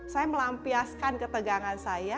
saya melampiaskan ketegangan saya